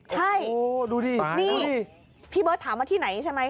โอ้โหดูดินี่พี่เบิร์ดถามว่าที่ไหนใช่ไหม